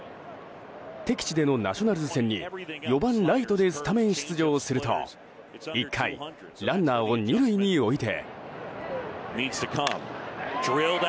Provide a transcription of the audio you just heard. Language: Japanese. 敵地でのナショナルズ戦に４番ライトでスタメン出場すると１回、ランナーを２塁に置いて。